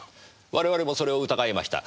我々もそれを疑いました。